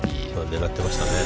狙ってましたね。